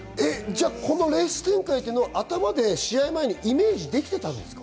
このレース展開は試合前にイメージできてたんですか？